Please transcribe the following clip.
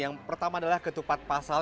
yang pertama adalah ketupat pasal